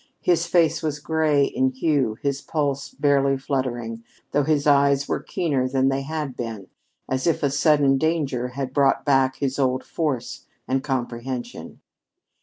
His face was gray in hue, his pulse barely fluttering, though his eyes were keener than they had been, as if a sudden danger had brought back his old force and comprehension.